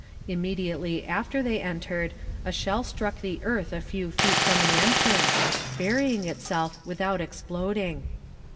Immediately after they entered a shell struck the earth a few feet from the entrance, burying itself without exploding.